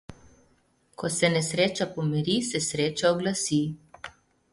Ko se nesreča pomiri, se sreča oglasi.